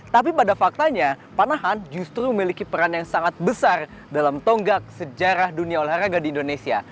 tapi pada faktanya panahan justru memiliki peran yang sangat besar dalam tonggak sejarah dunia olahraga di indonesia